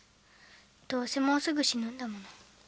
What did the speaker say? どうせもうすぐ死ぬんだもの。